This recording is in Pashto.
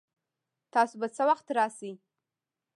تاسو به څه وخت راشئ؟